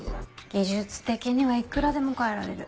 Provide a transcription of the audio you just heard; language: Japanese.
技術的にはいくらでも変えられる。